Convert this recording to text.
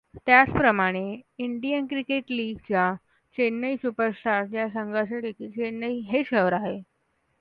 त्याचप्रमाणे, Indian cricket league च्या Chennai superstars या संघाचेदेखिल चेन्नई हे शहर आहे.